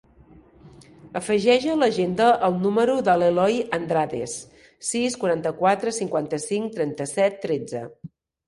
Afegeix a l'agenda el número de l'Eloy Andrades: sis, quaranta-quatre, cinquanta-cinc, trenta-set, tretze.